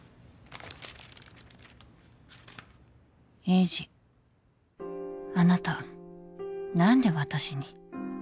栄治あなた何で私に